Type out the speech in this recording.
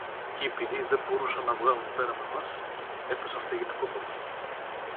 Κι επειδή δεν μπορούσαν να τα βγάλουν πέρα με μας, έπεσαν στα γυναικόπαιδα.